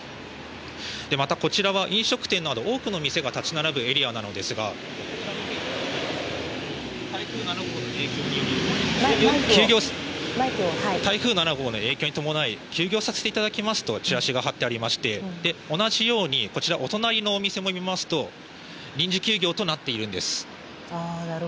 また、こちらは飲食店など多くの店が立ち並ぶエリアなのですが台風７号の影響に伴い休業させていただきますとチラシが貼ってありまして同じようにお隣のお店を見ますと臨時休業となっているんです。